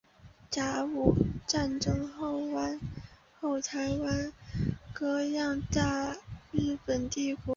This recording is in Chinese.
甲午战争后台湾割让予大日本帝国。